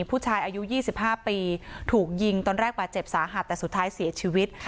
ผู้ชายอายุ๒๕ปีถูกยิงตอนแรกบาดเจ็บสาหัสแต่สุดท้ายเสียชีวิต